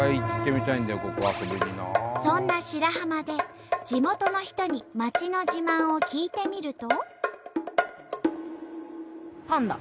そんな白浜で地元の人に町の自慢を聞いてみると。